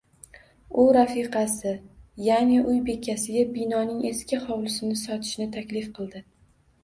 U rafiqasi, ya`ni uy bekasiga binoning eski hovlisini sotishni taklif qildi